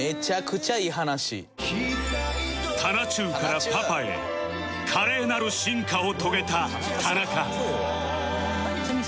たなチューからパパへ華麗なる進化を遂げた田中